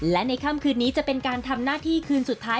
และในค่ำคืนนี้จะเป็นการทำหน้าที่คืนสุดท้าย